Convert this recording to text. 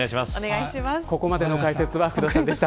ここまでの解説は福田さんでした。